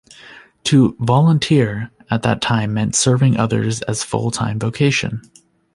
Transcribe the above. To "volunteer" at that time meant serving others as a full-time vocation.